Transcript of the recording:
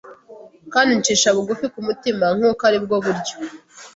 kandi ncisha bugufi kumutima Nkuko aribwo buryo